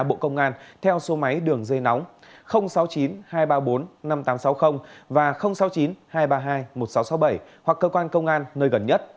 bộ công an theo số máy đường dây nóng sáu mươi chín hai trăm ba mươi bốn năm nghìn tám trăm sáu mươi và sáu mươi chín hai trăm ba mươi hai một nghìn sáu trăm sáu mươi bảy hoặc cơ quan công an nơi gần nhất